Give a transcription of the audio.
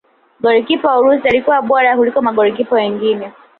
golikipa wa urusi alikuwa bora kuliko magolikipa wengine